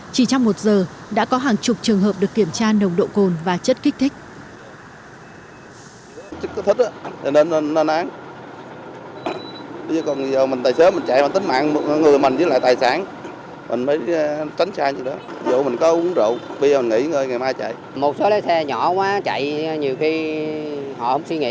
chỉ trong một giờ đã có hàng chục trường hợp được kiểm tra nồng độ cồn và chất kích thích